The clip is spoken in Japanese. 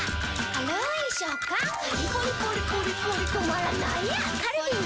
軽ーい食感カリッポリポリポリポリ止まらないやつカルビー！